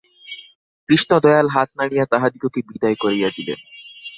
কৃষ্ণদয়াল হাত নাড়িয়া তাহাদিগকে বিদায় করিয়া দিলেন।